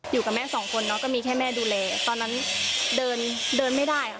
อยู่กับแม่๒คนก็มีแค่แม่ดูแลตอนนั้นเดินไม่ได้